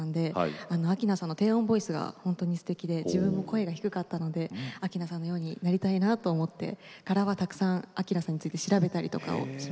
明菜さんの低音ボイスが本当にすてきで自分も声が低かったので明菜さんのようになりたいなと思ってからはたくさん明菜さんについて調べたりとかをしました。